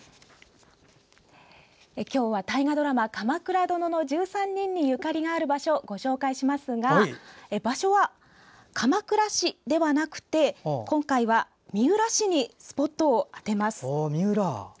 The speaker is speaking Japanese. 今日は大河ドラマ「鎌倉殿の１３人」にゆかりがある場所をご紹介しますが場所は鎌倉市ではなくて今回は三浦市にスポットを当てます。